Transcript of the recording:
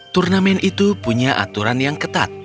turnamen itu punya aturan yang ketat